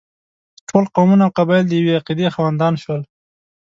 ټول قومونه او قبایل د یوې عقیدې خاوندان شول.